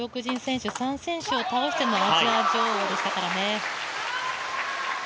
中国選手３選手を倒してのアジア女王ですからね。